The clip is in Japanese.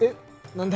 何だ？